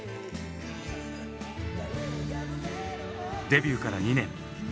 デビューから２年。